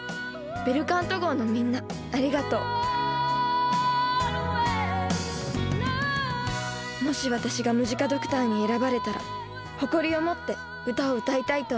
ベルカント号のみんなありがとうもし私がムジカドクターに選ばれたら誇りを持って歌を歌いたいと思います。